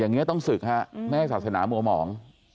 อย่างนี้ต้องศึกฮะไม่ให้ศาสนามัวหมอง